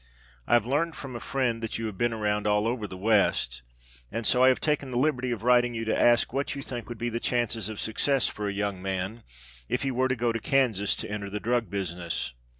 I have learned from a friend that you have been around all over the west, and so I have taken the liberty of writing you to ask what you think would be the chances of success for a young man if he were to go to Kansas to enter the drug business.